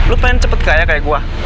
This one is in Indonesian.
lu pengen cepet kaya kaya gue